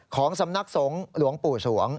ของสำนักสงฆ์หลวงปู่สวง